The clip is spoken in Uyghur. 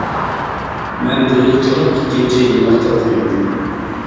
مەن بۇ يىل تۇلۇق ئىككىنچى يىللىقتا ئوقۇيمەن.